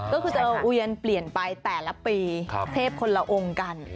ก็คือจะเวียนเปลี่ยนไปแต่ละปีเทพคนละองค์กัน